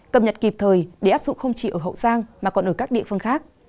cập nhật kịp thời để áp dụng không chỉ ở hậu giang mà còn ở các địa phương khác